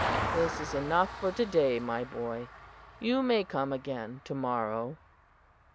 "This is enough for to day, my boy. You may come again to morrow." II.